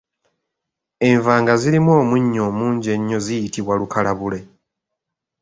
Enva nga zirimu omunnyo omungi ennyo ziyitibwa Lukalabule.